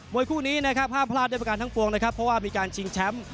วยคู่นี้นะครับห้ามพลาดด้วยประการทั้งปวงนะครับเพราะว่ามีการชิงแชมป์